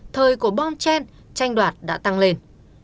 thời của bon chen tranh đoạt đã tăng lên